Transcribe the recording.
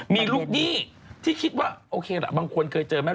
มีลูกหนี้ที่คิดว่าบางคนเคยเจอไหม